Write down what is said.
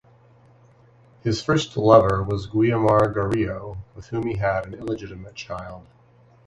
His first lover was Guiomar Carrillo, with whom he had an illegitimate child.